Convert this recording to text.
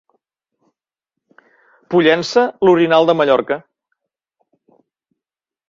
Pollença, l'orinal de Mallorca.